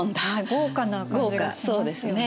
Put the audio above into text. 豪華な感じがしますよね。